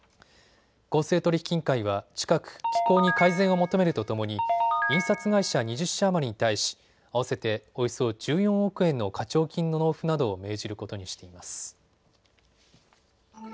公正取引委員会は近く機構に改善を求めるとともに印刷会社２０社余りに対し合わせておよそ１４億円の課徴金の納付などを命じることにしています。